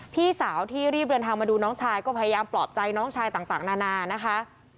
พี่สาวที่รีบเดินทางมาดูน้องชายก็พยายามปลอบใจน้องชายต่างนานานะคะ